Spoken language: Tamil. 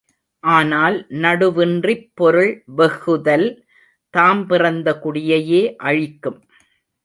ஆனால் நடுவின்றிப் பொருள் வெஃகுதல் தாம் பிறந்த குடியையே அழிக்கும்.